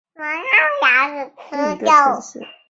科曼奇是位于美国得克萨斯州科曼奇县的一个城市。